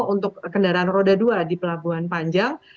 untuk kendaraan roda dua di pelabuhan panjang